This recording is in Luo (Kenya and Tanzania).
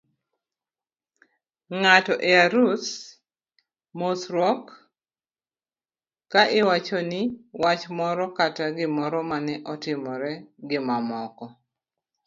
ng'ato e arus, mosruok, ka iwachoni wach moro kata gimoro mane otimore gimamoko